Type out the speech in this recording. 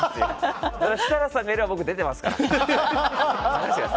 設楽さんがいれば僕、出てますから。